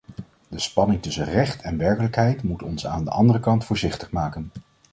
De spanning tussen recht en werkelijkheid moet ons aan de andere kant voorzichtig maken.